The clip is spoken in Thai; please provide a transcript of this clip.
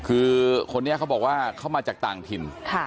คือคนนี้เขาบอกว่าเขามาจากต่างถิ่น